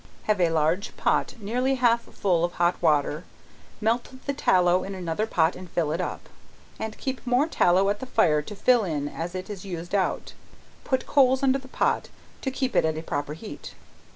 Have a large pot nearly half full of hot water, melt the tallow in another pot and fill it up, and keep more tallow at the fire to fill in as it is used out, put coals under the pot to keep it at a proper heat.